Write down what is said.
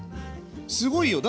すごいよ。